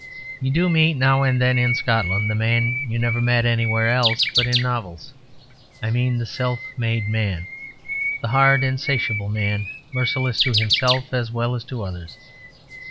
You do meet now and then, in Scotland, the man you never meet anywhere else but in novels; I mean the self made man; the hard, insatiable man, merciless to himself as well as to others.